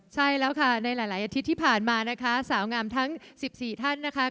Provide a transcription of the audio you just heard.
ใช่แล้วค่ะในหลายอาทิตย์ที่ผ่านมานะคะสาวงามทั้ง๑๔ท่านนะคะ